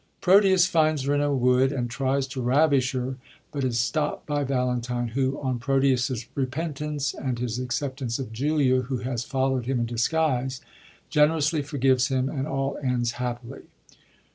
Proteus finds her in a wood, and tries to ravish her, but is stopt by Valentine, who, on Proteus*s repentance, and his acceptance of Julia, who has foUowd him in disguise, generously forgives him, and all ends happily.